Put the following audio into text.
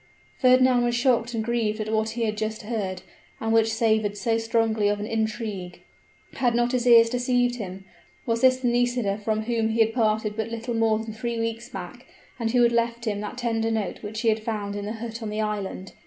Fernand was shocked and grieved at what he had just heard, and which savored so strongly of an intrigue. Had not his ears deceived him? was this the Nisida from whom he had parted but little more than three weeks back, and who had left him that tender note which he had found in the hut on the island?